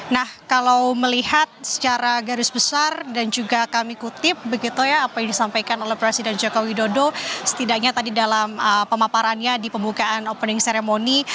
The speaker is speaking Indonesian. nah kalau melihat secara garis besar dan juga kami kutip begitu ya apa yang disampaikan oleh presiden joko widodo setidaknya tadi dalam pemaparannya di pembukaan opening ceremony